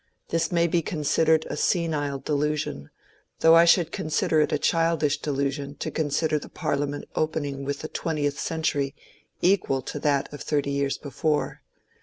This may be consid ered a senile delusion, though I should consider it a childish delusion to consider the Parliament opening with the twen tieth century equal to that of thirty years before.